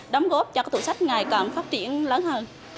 đóng góp cho tủ sách ngày càng phát triển lớn hơn